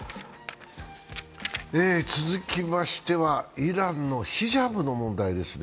続きましては、イランのヒジャブの問題です。